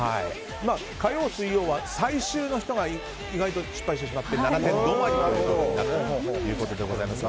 火曜、水曜は最終の人が失敗してしまって７点止まりとなっています。